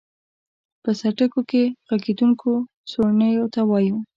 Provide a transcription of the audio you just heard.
په سرټکیو کې غږېدونکیو سورڼیو ته وایو.